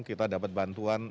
kita dapat bantuan